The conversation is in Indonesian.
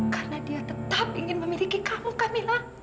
karena dia tetap ingin memiliki kamu kamila